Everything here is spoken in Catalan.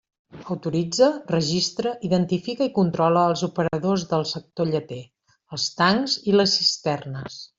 Autoritza, registra, identifica i controla els operadors del sector lleter, els tancs i les cisternes.